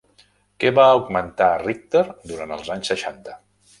Què va augmentar Richter durant els anys seixanta?